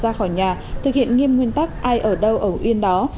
người dân không được ra khỏi nhà thực hiện nghiêm nguyên tắc ai ở đâu ở uyên đó